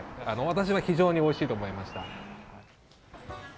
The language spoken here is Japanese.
私は非常においしいと思いました。